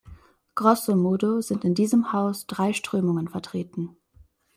Grosso modo sind in diesem Haus drei Strömungen vertreten.